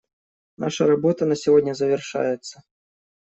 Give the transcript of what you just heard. Наша работа на сегодня завершается.